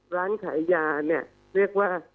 ร้านขายยานี้